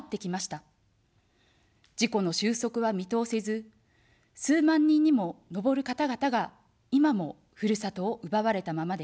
事故の収束は見通せず、数万人にものぼる方々が今もふるさとを奪われたままです。